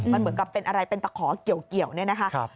มันเหมือนกับเป็นอะไรเป็นตะขอเกี่ยวเนี่ยนะคะ